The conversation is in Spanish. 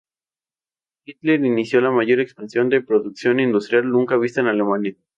Hitler inició la mayor expansión de producción industrial nunca vista en Alemania.